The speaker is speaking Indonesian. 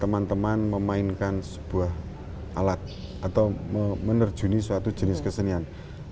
teman teman memainkan sebuah alat atau menerjuni suatu jenis kesenian